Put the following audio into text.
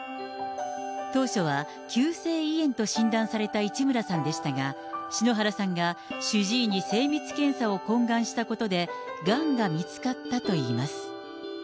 当初は、急性胃炎と診断された市村さんでしたが、篠原さんが主治医に精密検査を懇願したことで、がんが見つかったといいます。